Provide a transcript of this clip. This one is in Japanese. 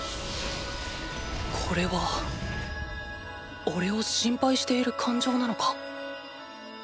これはおれを心配している感情なのか？